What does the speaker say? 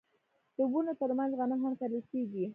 د ونو ترمنځ غنم هم کرل کیږي.